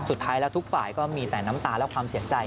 สุดท้ายแล้วทุกฝ่ายก็มีแต่น้ำตาและความเสียใจ